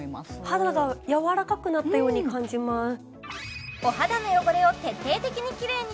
肌がやわらかくなったように感じます